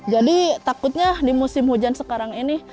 jadi takutnya di musim hujan sekarang ini